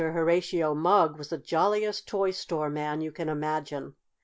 Horatio Mugg was the jolliest toy store man you can imagine!